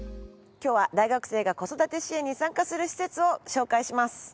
今日は大学生が子育て支援に参加する施設を紹介します。